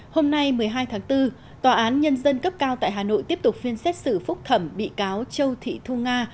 hôm nay một mươi hai tháng bốn tòa án nhân dân cấp cao tại hà nội tiếp tục phiên xét xử phúc thẩm bị cáo châu thị thu nga